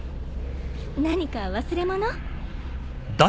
何か忘れ物？